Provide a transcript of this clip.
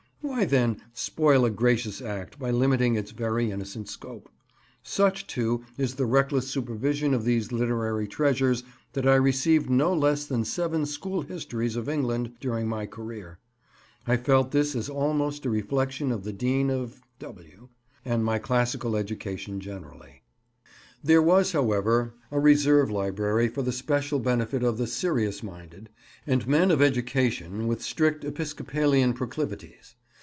Why, then, spoil a gracious act by limiting its very innocent scope. Such, too, is the reckless supervision of these literary treasures that I received no less than seven school histories of England during my career. I felt this as almost a reflection on the Dean of W— and my classical education generally. There was, however, a reserve library for the special benefit of the "serious" minded, and men of education with strict Episcopalian proclivities.